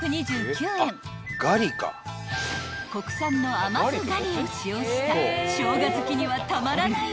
［国産の甘酢ガリを使用したショウガ好きにはたまらない